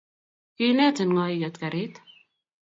kiinetin ng'o iket karit?